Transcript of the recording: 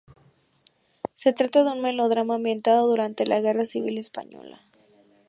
Se trata de un melodrama ambientado durante la Guerra Civil española.